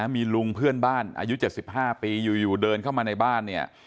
มีลุงเพื่อนบ้านอายุ๗๕ปีอยู่เดินเข้ามาในบ้านเนี่ย